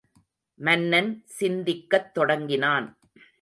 மன்னன் சிந்திக்கத் தொடங்கினான்.